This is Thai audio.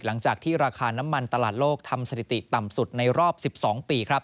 หลังจากที่ราคาน้ำมันตลาดโลกทำสถิติต่ำสุดในรอบ๑๒ปีครับ